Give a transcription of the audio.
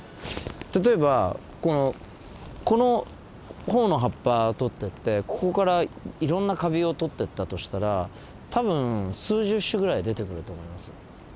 例えばこのホオの葉っぱをとってってここからいろんなカビをとってったとしたら多分数十種ぐらい出てくると思います。